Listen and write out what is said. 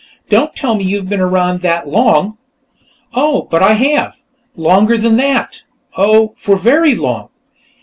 "Don't tell me you've been around that long." "Oh, but I have! Longer than that; oh, for very long."